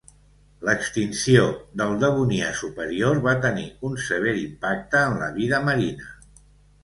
L'extinció del Devonià superior va tenir un sever impacte en la vida marina.